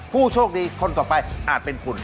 ผู้โชคดีคนต่อไปอาจเป็นคุณ